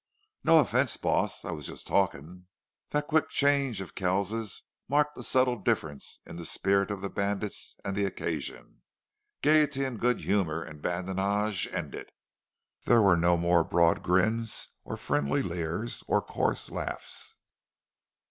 "No offense, boss. I was just talkin'." That quick change of Kells's marked a subtle difference in the spirit of the bandits and the occasion. Gaiety and good humor and badinage ended. There were no more broad grins or friendly leers or coarse laughs.